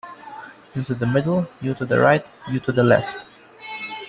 You to the middle, you to the right, you to the left.